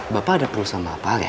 bapak ada perlu sama apa ya